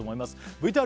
ＶＴＲ